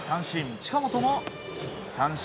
近本も三振。